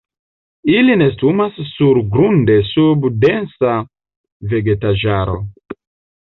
Ili nestumas surgrunde sub densa vegetaĵaro.